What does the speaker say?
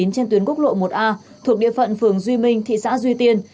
trên tuyến quốc lộ một a thuộc địa phận phường duy minh thị xã duy tiên